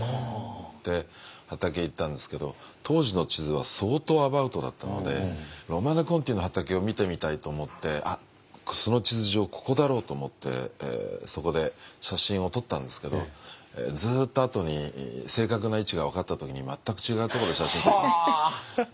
で畑行ったんですけど当時の地図は相当アバウトだったのでロマネコンティの畑を見てみたいと思ってその地図上ここだろうと思ってそこで写真を撮ったんですけどずっとあとに正確な位置が分かった時に全く違うところで写真を撮っていました。